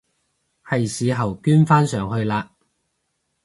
係時候捐返上去喇！